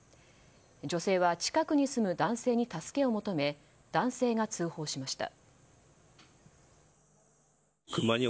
女性は近くに住む男性に助けを求め男性が通報しました。